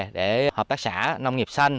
để hợp tác xã nông nghiệp xanh